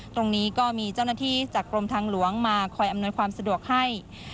ตรงนี้ก็มีเจ้าหน้าที่จากกรมทางหลวงมาคอยอำนวยความสะดวกให้